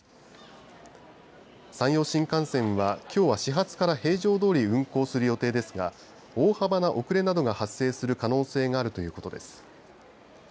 山陽新幹線は、きょうは始発から平常通り運行する予定ですが大幅な遅れなどが発生する可能性があるということです。